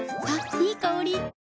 いい香り。